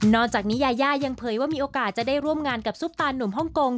จากนี้ยายายังเผยว่ามีโอกาสจะได้ร่วมงานกับซุปตานุ่มฮ่องกง